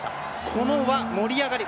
この輪、盛り上がり